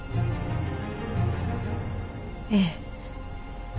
ええ。